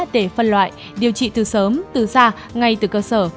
để phân loại điều trị từ sớm từ xa ngay từ cơ sở